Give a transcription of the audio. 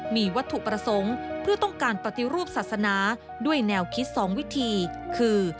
มีวัตถุประสงค์เพื่อต้องการปฏิรูปศาสนาด้วยแนวคิด๒วิธีคือ